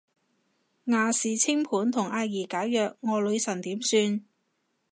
亞視清盤同阿儀解約，我女神點算